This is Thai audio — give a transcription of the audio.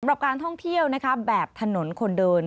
การท่องเที่ยวแบบถนนคนเดิน